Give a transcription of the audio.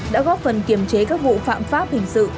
đã góp phần kiềm chế các vụ phạm pháp hình sự